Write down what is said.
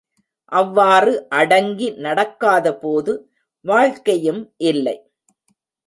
அவ்வாறு அடங்கி நடக்காதபோது வாழ்க்கையும் இல்லை.